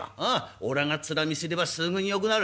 おらが面見せればすぐによくなる。